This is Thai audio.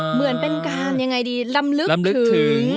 เหมือนเป็นการยังไงดีลำลึกถึง